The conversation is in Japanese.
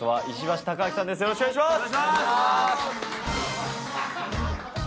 よろしくお願いします！